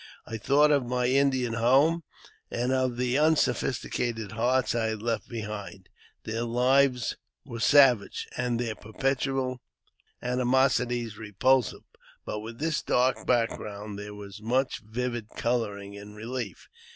I thought of my Indian home, and of the unsophisticated hearts I had left behind me. Their lives were savage, and their perpetual ani mosities repulsive, but with this dark background there was much vivid colouring in relief.